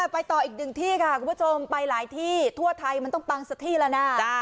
ไปต่ออีกหนึ่งที่ค่ะคุณผู้ชมไปหลายที่ทั่วไทยมันต้องปังสักที่แล้วนะ